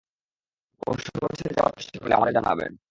ও শহর ছেড়ে যাওয়ার চেষ্টা করলে আমাদের জানাবেন।